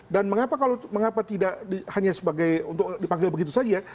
dan mengapa kalau mengapa tidak hanya sebagai untuk dipanggil begitu saja